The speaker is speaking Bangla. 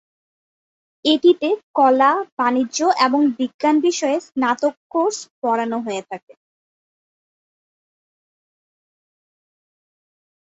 এটিতে কলা, বাণিজ্য এবং বিজ্ঞান বিষয়ে স্নাতক কোর্স পড়ানো হয়ে থাকে।